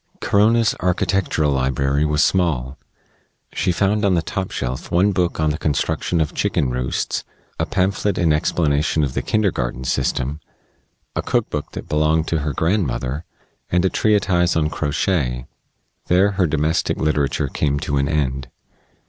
... Corona's architectural library was small. She found on the top shelf one book on the construction of chicken roosts, a pamphlet in explanation of the kindergarten system, a cook book that had belonged to her grandmother, and a treatise on crochet. There her domestic literature came to an end.